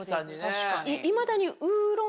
確かに。